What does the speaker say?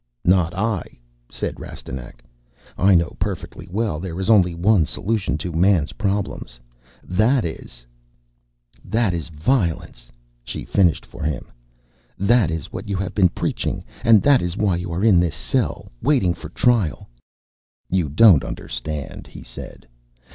"Not I," said Rastignac. "I know perfectly well there is only one solution to man's problems. That is " "That is Violence," she finished for him. "That is what you have been preaching. And that is why you are in this cell, waiting for trial." "You don't understand," he said.